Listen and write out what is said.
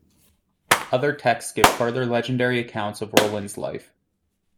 Other texts give further legendary accounts of Roland's life.